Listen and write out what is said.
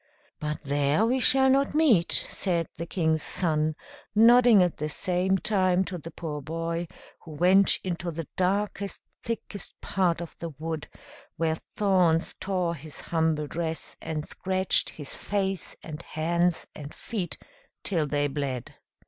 "But there we shall not meet," said the King's Son, nodding at the same time to the poor boy, who went into the darkest, thickest part of the wood, where thorns tore his humble dress, and scratched his face and hands and feet till they bled.